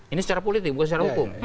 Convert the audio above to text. ini secara politik bukan secara hukum